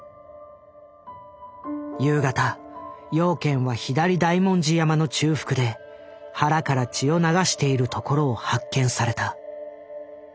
夕方養賢は左大文字山の中腹で腹から血を流しているところを発見された。